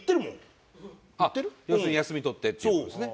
要するに休み取ってっていう事ですね。